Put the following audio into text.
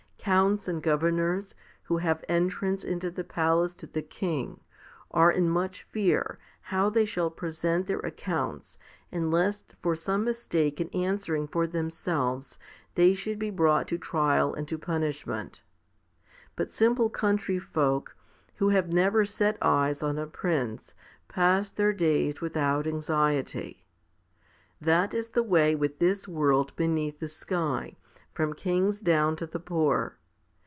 Counts and governors, who have entrance into the palace to the king, are in much fear, how they shall present their accounts, and lest for some mistake in answering for them selves they should be brought to trial and to punishment ; but simple country folk, who have never set eyes on a prince, pass their days without anxiety. That is the way with this world beneath the sky, from kings down to the poor.